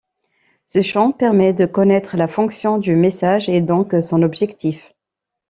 Ce champ permet de connaître la fonction du message et donc son objectif.